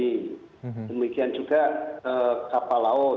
demikian juga kapal laut